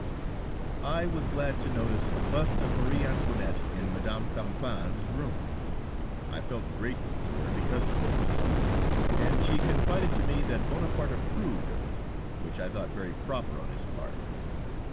I was glad to notice a bust of Marie Antoinette in Mme. Campan's room. I felt grateful to her because of this, and she confided to me that Bonaparte approved of it, which I thought very proper on his part.